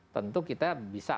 tentu kita bisa